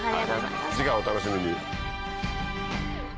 次回お楽しみに。